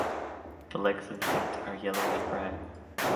The legs and feet are yellowish-brown.